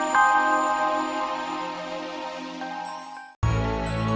aku sekalian sudah mencoba